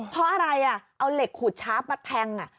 เพราะอะไรเอาเหล็กขูดชาร์ฟมาแทง